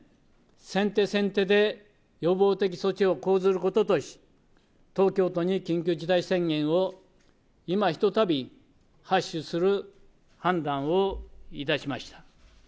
先手先手で予防的措置を講ずることとし、東京都に緊急事態宣言をいまひとたび発出する判断をいたしました。